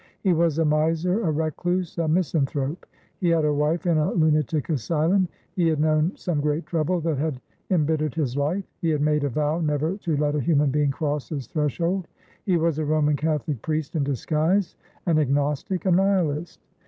"He was a miser a recluse a misanthrope he had a wife in a lunatic asylum he had known some great trouble that had embittered his life; he had made a vow never to let a human being cross his threshold; he was a Roman Catholic priest in disguise, an Agnostic, a Nihilist."